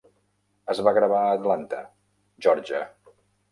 Es va gravar a Atlanta, Geòrgia.